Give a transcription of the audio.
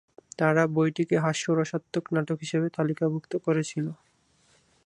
তারা বইটিকে হাস্যরসাত্মক নাটক হিসেবে তালিকাভুক্ত করেছিল।